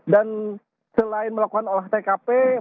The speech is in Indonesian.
dan selain melakukan olah tkp